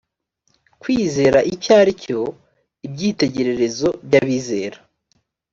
kwizera icyo ari cyo ibyitegererezo by abizera